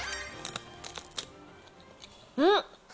うん！